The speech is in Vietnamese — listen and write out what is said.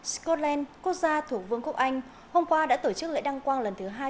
scotland quốc gia thuộc vương quốc anh hôm qua đã tổ chức lễ đăng quang lần thứ hai